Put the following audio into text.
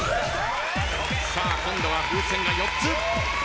さあ今度は風船が４つ。